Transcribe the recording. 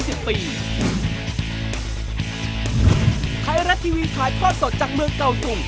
ไทยรัฐทีวีถ่ายทอดสดจากเมืองเก่าจุง